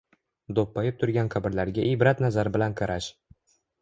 Do‘ppayib turgan qabrlarga ibrat nazari bilan qarash